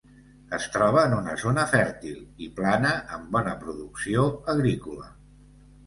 Es troba en una zona fèrtil i plana amb bona producció agrícola.